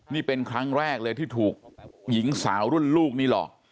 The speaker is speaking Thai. นี่เป็นครั้งแรกเลยที่ถูกหญิงสาวรุ่นลูกนี่หลอก